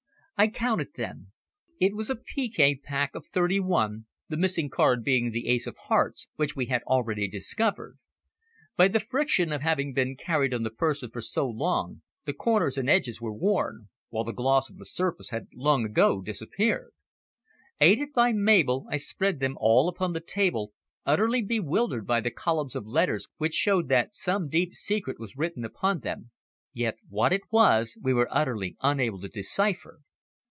I counted them. It was a piquet pack of thirty one, the missing card being the ace of hearts which we had already discovered. By the friction of having been carried on the person for so long the corners and edges were worn, while the gloss of the surface had long ago disappeared. Aided by Mabel I spread them all upon the table, utterly bewildered by the columns of letters which showed that some deep secret was written upon them, yet what it was we were utterly unable to decipher.